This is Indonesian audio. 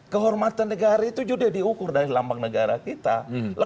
kehormatan negara itu juga diukur dari lambang negara kita